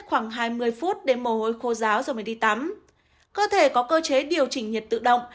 khoảng hai mươi phút để mồ hôi khô ráo rồi mới đi tắm cơ thể có cơ chế điều chỉnh nhiệt tự động